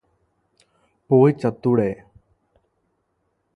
പോയി ചത്തൂടെ?